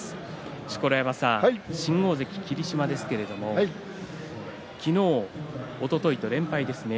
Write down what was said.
錣山さん、新大関霧島ですけれど昨日、おとといと連敗です。